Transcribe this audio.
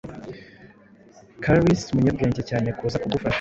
Carles umunyabwenge cyanekuza kugufasha